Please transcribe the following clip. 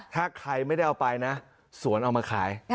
ถ้าใครไม่ได้เอาไปนะสวนเอามาขาย